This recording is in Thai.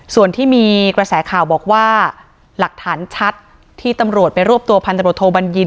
ส่วนที่มีกระแสข่าวบอกว่าหลักฐานชัดที่ตำรวจไปรวบตัวพันธบทโทบัญญิน